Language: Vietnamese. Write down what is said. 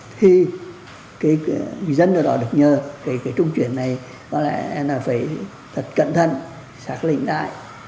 thì dân ở đó được nhờ trung chuyển này phải thật cẩn thận sạch lĩnh đại